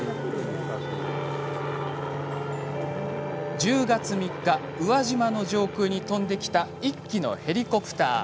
１０月３日宇和島の上空に飛んできた１機のヘリコプター。